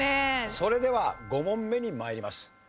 それでは５問目に参ります。